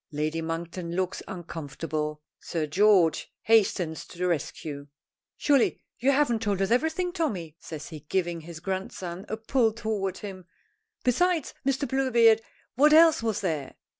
Lady Monkton looks uncomfortable. Sir George hastens to the rescue. "Surely you haven't told us everything, Tommy?" says he giving his grandson a pull toward him. "Besides Mr. Bluebeard, what else was there?"